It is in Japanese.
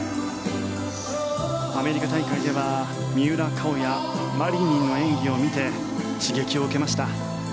アメリカ大会では三浦佳生やマリニンの演技を見て刺激を受けました。